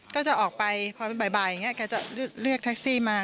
ก็จะออกไปพอเป็นบ่ายอย่างนี้แกจะเรียกแท็กซี่มา